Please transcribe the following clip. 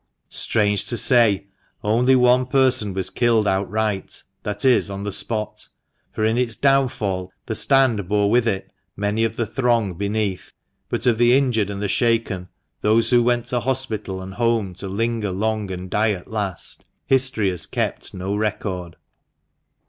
Strange to say, only one person was killed outright — that is, on the spot — for in its downfall the stand bore with it many of the throng beneath. But of the injured and the shaken, those who went to hospital and home to linger long and die at last, history has kept no record.